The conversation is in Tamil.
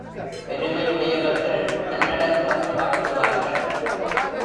பெருமை உடையவர்கள் தன்னடக்கம் காட்டுவார்கள்.